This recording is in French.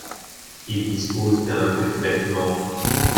Il dispose d'un petit bâtiment.